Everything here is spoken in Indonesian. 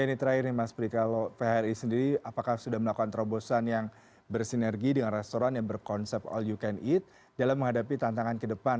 ini terakhir nih mas pri kalau phri sendiri apakah sudah melakukan terobosan yang bersinergi dengan restoran yang berkonsep all you can eat dalam menghadapi tantangan ke depan